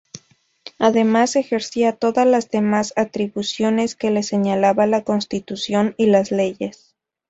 Además ejercía todas las demás atribuciones que le señalaba la Constitución y las leyes.